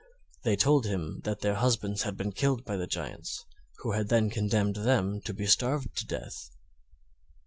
They told him that their husbands had been killed by the Giants, who had then condemned them to be starved to death.